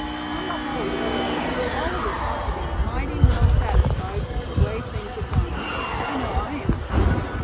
On the whole, Thad, all of us ought to be mighty well satisfied with the way things have gone. I know I am."